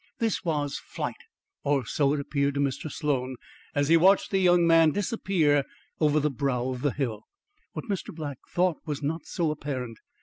This was flight; or so it appeared to Mr. Sloan, as he watched the young man disappear over the brow of the hill. What Mr. Black thought was not so apparent.